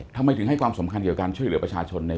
ทำไมถึงให้ความสำคัญเกี่ยวการช่วยเหลือประชาชน